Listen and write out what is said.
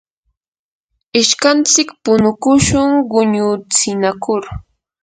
ishkantsik punukushun quñutsinakur.